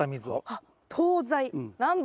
あっ東西南北。